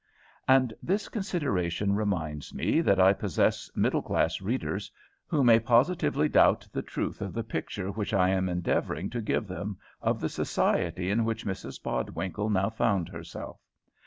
'" And this consideration reminds me that I possess middle class readers, who may positively doubt the truth of the picture which I am endeavouring to give them of the society in which Mrs Bodwinkle now found herself.